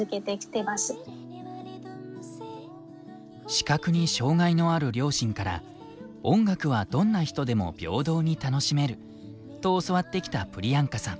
視覚に障害のある両親から「音楽はどんな人でも平等に楽しめる」と教わってきたプリヤンカさん。